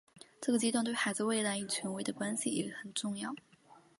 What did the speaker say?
这个阶段对于孩子未来与权威的关系也很重要。